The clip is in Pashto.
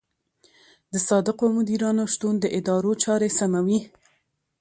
د صادقو مدیرانو شتون د ادارو چارې سموي.